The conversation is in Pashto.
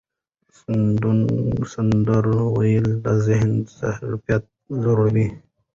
سندرې ویل د ذهن ظرفیت لوړوي.